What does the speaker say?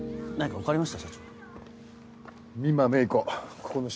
分かりました。